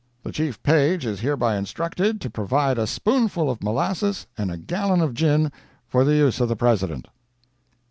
The Chief Page is hereby instructed to provide a spoonful of molasses and a gallon of gin, for the use of the President."